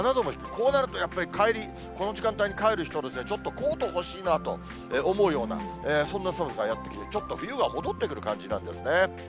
こうなるとやっぱり帰り、この時間帯に帰る人たちはちょっとコート欲しいなと思うような、そんな寒さやって来て、ちょっと冬が戻ってくる感じなんですね。